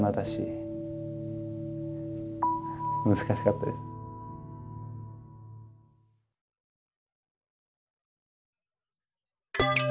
難しかったです。